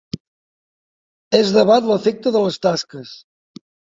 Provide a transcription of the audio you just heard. Es debat l'efecte de les tasques.